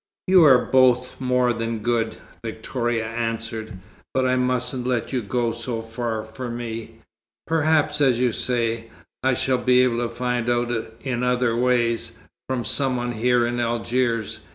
"You are both more than good," Victoria answered, "but I mustn't let you go so far for me. Perhaps, as you say, I shall be able to find out in other ways, from some one here in Algiers.